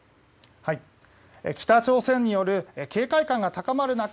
北朝鮮による警戒感が高まる中